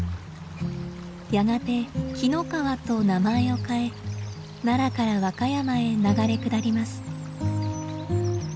やがて紀の川と名前を変え奈良から和歌山へ流れ下ります。